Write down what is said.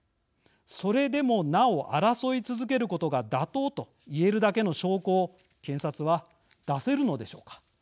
それでもなお、争い続けることが妥当と言えるだけの証拠を検察は出せるのでしょうか。